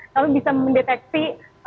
kami bisa mendeteksi